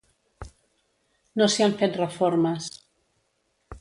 No s'hi han fet reformes.